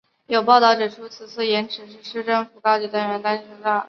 有报导指出此次延迟是市政府高级官员担心差错而故意拖慢进程导致的。